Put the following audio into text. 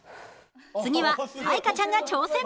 次は彩加ちゃんが挑戦！